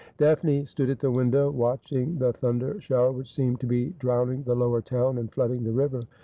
Daphne stood at the window watching the thunder shower, which seemed to be drowning the lower town and flooding the river.